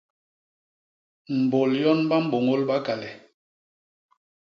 Mbôl yon ba mbôñôl bakale.